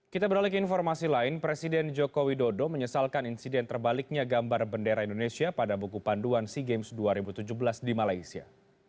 kita beralih ke informasi lain presiden joko widodo menyesalkan insiden terbaliknya gambar bendera indonesia pada buku panduan sea games dua ribu tujuh belas di malaysia